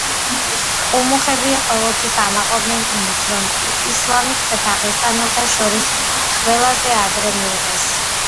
ყუმუხები ყოველთვის ამაყობდნენ იმით, რომ ისლამი დაღესტნელთა შორის ყველაზე ადრე მიიღეს.